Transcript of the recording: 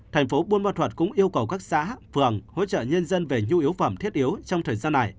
thành phố buôn ma thuật cũng yêu cầu các xã phường hỗ trợ nhân dân về nhu yếu phẩm thiết yếu trong thời gian này